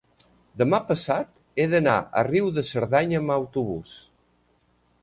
demà passat he d'anar a Riu de Cerdanya amb autobús.